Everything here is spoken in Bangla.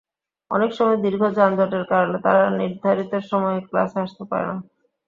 অনেক সময় দীর্ঘ যানজটের কারণে তাঁরা নির্ধারিত সময়ে ক্লাসে আসতে পারেন না।